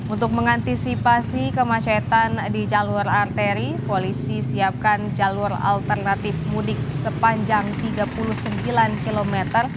untuk mengantisipasi kemacetan di jalur arteri polisi siapkan jalur alternatif mudik sepanjang tiga puluh sembilan km